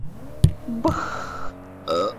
— Бых-х!